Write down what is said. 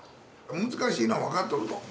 難しいのは分かっとると。